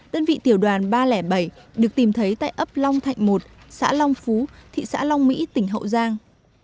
đơn vị tiểu đoàn ba trăm linh bảy được tìm thấy tại ấp long thạnh một xã long phú thị xã long mỹ tỉnh hậu giang